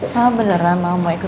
ma beneran mau ikut